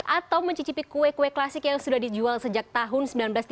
atau mencicipi kue kue klasik yang sudah dijual sejak tahun seribu sembilan ratus delapan puluh